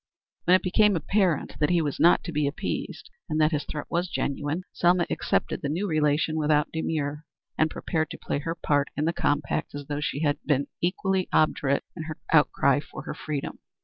When it became apparent that he was not to be appeased and that his threat had been genuine, Selma accepted the new relation without demur, and prepared to play her part in the compact as though she had been equally obdurate in her outcry for her freedom.